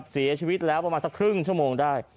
เสียชีวิตแล้วประมาณสักครึ่งชั่วโมงได้